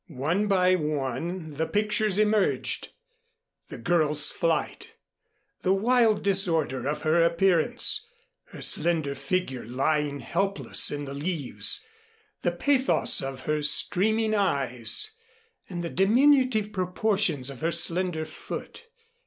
One by one the pictures emerged the girl's flight, the wild disorder of her appearance, her slender figure lying helpless in the leaves, the pathos of her streaming eyes, and the diminutive proportions of her slender foot.